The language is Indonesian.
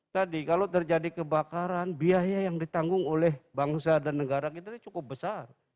tadi kalau terjadi kebakaran biaya yang ditanggung oleh bangsa dan negara kita ini cukup besar